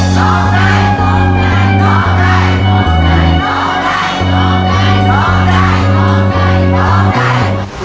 ร้องได้